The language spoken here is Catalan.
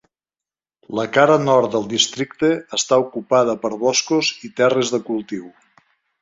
La cara nord del districte està ocupada per boscos i terres de cultiu.